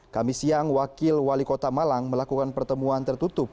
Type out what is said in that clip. kami siang wakil wali kota malang melakukan pertemuan tertutup